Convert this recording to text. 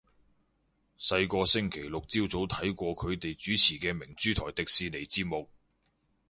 細個星期六朝早睇過佢哋主持嘅明珠台迪士尼節目